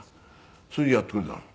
それでやってくれたの。